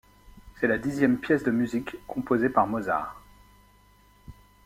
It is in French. C'est la dixième pièce de musique composée par Mozart.